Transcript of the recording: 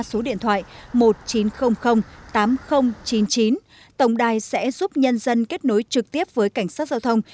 số điện thoại một nghìn chín trăm linh tám nghìn chín mươi chín tổng đài sẽ giúp nhân dân kết nối trực tiếp với cảnh sát giao thông